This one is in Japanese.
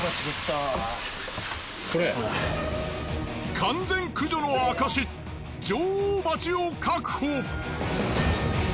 完全駆除の証し女王蜂を確保。